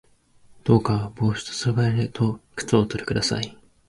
どうか帽子と外套と靴をおとり下さい